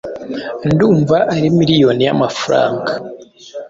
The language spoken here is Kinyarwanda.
Ndumva ari miliyoni y'amafaranga.